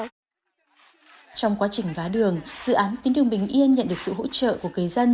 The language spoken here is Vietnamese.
trong quá trình vá đường dự án tuyến đường bình yên nhận được sự hỗ trợ của kế dân